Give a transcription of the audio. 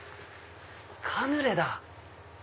カヌレだ。